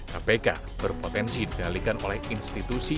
kpk berpotensi dikendalikan oleh institusi